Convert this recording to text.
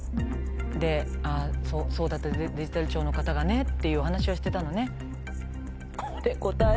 で「そうだったデジタル庁の方がね」っていうお話はしてたのね。